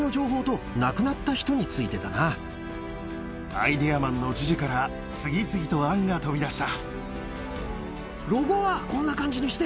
アイデアマンのジュジュから次々と案が飛び出した。